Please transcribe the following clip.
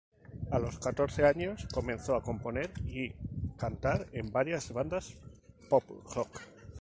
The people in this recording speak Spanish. A los catorce años, comenzó a componer y cantar en varias bandas pop-rock.